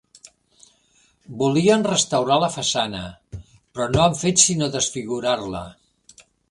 Volien restaurar la façana, però no han fet sinó desfigurar-la.